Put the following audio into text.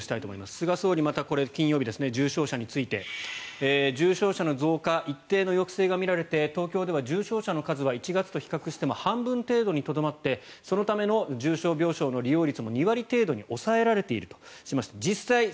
菅総理、またこれは金曜日重症者について重症者の増加にも一定の抑制が見られて東京では重症者の数は１月と比較しても半分程度にとどまってそのための重症病床の利用率も２割程度に抑えられていました。